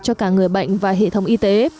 cho cả người bệnh và hệ thống y tế